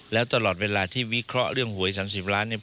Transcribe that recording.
แล้วตลอดเวลาที่วิเคราะห์เรื่องหวย๓๐ล้านเนี่ย